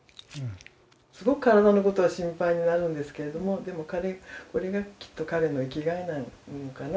すごく体のことは心配になるんですけれどもでもこれがきっと彼の生きがいなのかな。